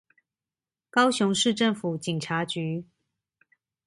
高雄市政府警察局